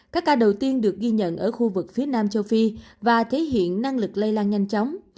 các ca đầu tiên được ghi nhận ở khu vực phía nam châu phi và thể hiện năng lực lây lan nhanh chóng